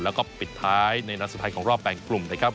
แล้วก็ปิดท้ายในนัดสุดท้ายของรอบแบ่งกลุ่มนะครับ